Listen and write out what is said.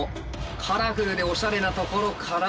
カラフルでおしゃれなところから。